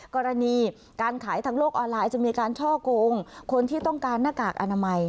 กรณีการขายทางโลกออนไลน์จะมีการช่อกงคนที่ต้องการหน้ากากอนามัย